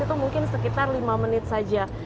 itu mungkin sekitar lima menit saja